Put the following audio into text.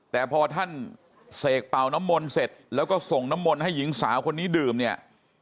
แต่พอท่านเสกเป่าน้ำมนต์เสร็จแล้วก็ส่งน้ำมนต์ให้หญิงสาวคนนี้ดื่มเนี่ย